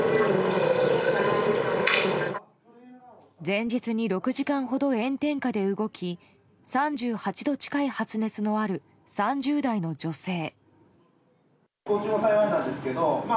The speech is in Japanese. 前日に６時間ほど炎天下で動き３８度近い発熱のある３０代の女性。